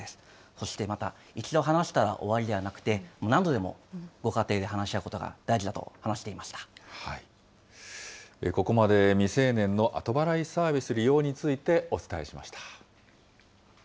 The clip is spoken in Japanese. そしてまた、一度話したら終わりではなくて、何度でもご家庭で話し合うことが大事だと話していまここまで未成年の後払いサービス利用についてお伝えしました。